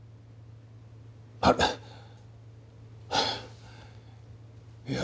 ああいや